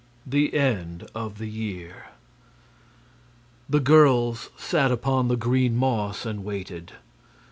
The End of the Year The girls sat upon the green moss and waited.